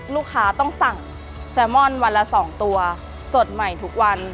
ลูกค้าต้องสั่งแซลมอนวันละ๒ตัวสดใหม่ทุกวัน